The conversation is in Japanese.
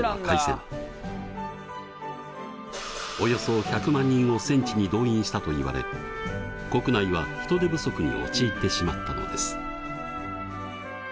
およそ１００万人を戦地に動員したといわれ国内は人手不足に陥ってしまったのです。